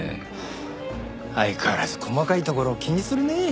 相変わらず細かいところを気にするねえ。